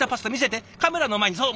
カメラの前にそう！